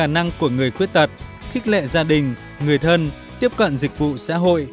người khuyết tật khích lệ gia đình người thân tiếp cận dịch vụ xã hội